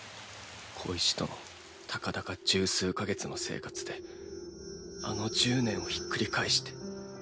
小石とのたかだか１０数か月の生活であの１０年をひっくり返して。